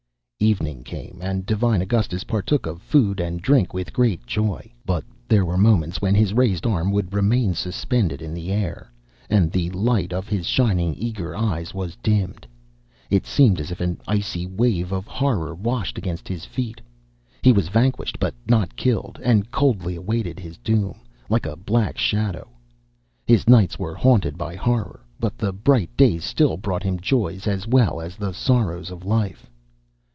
Evening came and divine Augustus partook of food and drink with great joy. But there were moments when his raised arm would remain suspended in the air, and the light of his shining, eager eyes was dimmed. It seemed as if an icy wave of horror washed against his feet. He was vanquished but not killed, and coldly awaited his doom, like a black shadow. His nights were haunted by horror, but the bright days still brought him the joys, as well as the sorrows, of life.